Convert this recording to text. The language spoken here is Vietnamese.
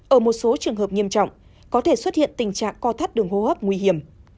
ở một số trường hợp nghiêm trọng có thể xuất hiện tình trạng co thắt đường hô hấp nguy hiểm